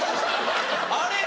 あれ？